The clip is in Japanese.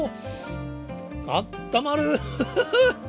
あったまる。